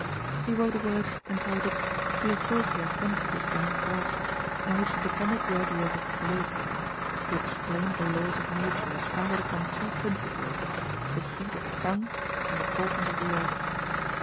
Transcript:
He wrote a work entitled Philosophia sensibus demonstrata, in which he defended the ideas of Telesio, who explained the laws of nature as founded upon two principles, the heat of the sun and the coldness of the earth.